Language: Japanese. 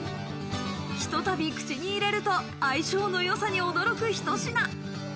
ひとたび口に入れると相性のよさに驚くひと品。